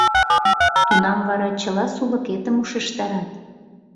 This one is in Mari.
Тунам вара чыла сулыкетым ушештарат.